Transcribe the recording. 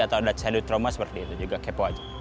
atau ada chadu trauma seperti itu juga kepo aja